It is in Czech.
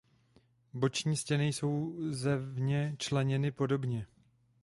Boční stěny jsou zevně členěny podobně.